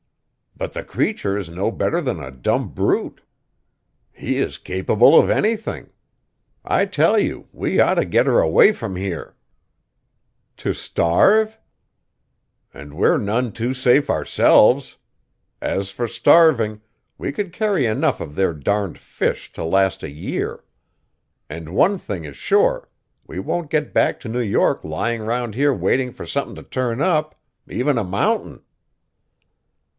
"But the creature is no better than a dumb brute. He is capable of anything. I tell you, we ought to get her away from here." "To starve?" "And we're none too safe ourselves. As for starving, we could carry enough of their darned fish to last a year. And one thing is sure: we won't get back to New York lying round here waiting for something to turn up even a mountain."